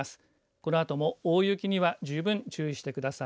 このあとも大雪には十分注意してください。